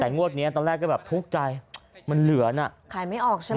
แต่งวดนี้ตอนแรกก็แบบทุกข์ใจมันเหลือน่ะขายไม่ออกใช่ไหม